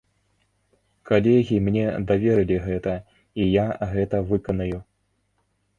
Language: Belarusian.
Калегі мне даверылі гэта, і я гэта выканаю.